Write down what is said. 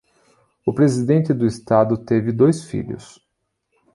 O presidente do estado teve dois filhos.